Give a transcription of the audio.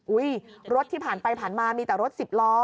รถที่ผ่านไปผ่านมามีแต่รถสิบล้อ